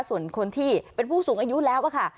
ส่วนคนที่เป็นผู้สูงอายุแล้วค่ะ